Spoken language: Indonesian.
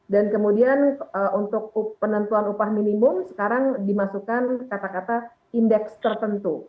dan kemudian untuk penentuan upah minimum sekarang dimasukkan kata kata index terakhir